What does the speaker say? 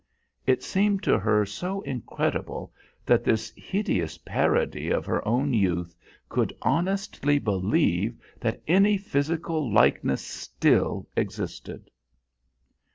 It seemed to her so incredible that this hideous parody of her own youth could honestly believe that any physical likeness still existed.